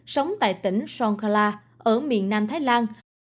sống tại tỉnh songkala ở miền nam thái lan